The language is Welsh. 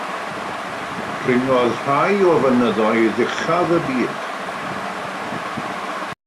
Dringodd rhai o fynyddoedd uchaf y byd.